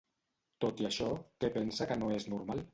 Tot i això, què pensa que no és normal?